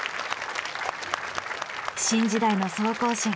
新時代の総行進。